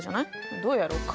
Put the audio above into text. どうやろうか？